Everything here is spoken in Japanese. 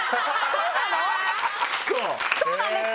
そうなんですか？